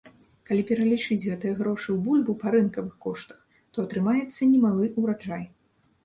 Калі пералічыць гэтыя грошы ў бульбу па рынкавых коштах, то атрымаецца немалы ўраджай.